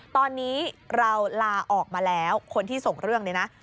ตอนนี้เราลาออกมาแล้วคนที่ส่งเรื่องนี้นะ